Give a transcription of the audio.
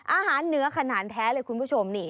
อาหารเหนือขนาดแท้เลยคุณผู้ชมนี่